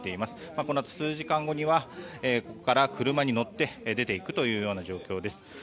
このあと数時間後にはここから車に乗って出ていくという状況です。